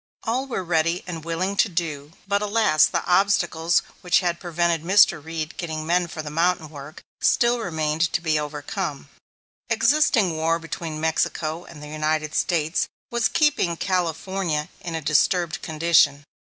All were ready and willing to do; but, alas, the obstacles which had prevented Mr. Reed getting men for the mountain work still remained to be overcome. Existing war between Mexico and the United States was keeping California in a disturbed condition.